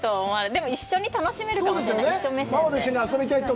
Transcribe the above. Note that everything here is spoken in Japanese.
でも一緒に楽しめるかもしれない。